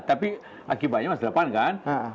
tapi akibatnya masa depan kan